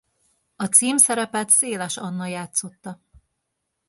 A címszerepet Széles Anna játszotta.